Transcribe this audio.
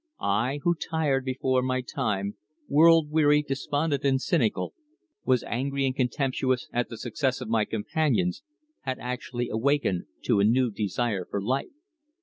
I, who tired before my time, world weary, despondent and cynical, was angry and contemptuous at the success of my companions, had actually awakened to a new desire for life.